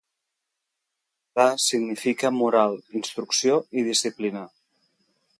Musar significa: moral, instrucció, i disciplina.